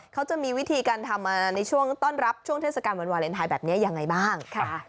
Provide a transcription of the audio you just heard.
เขาจะมีวิธีการทำมาในช่วงต้อนรับช่วงเทศกาลวันวาเลนไทยแบบนี้ยังไงบ้าง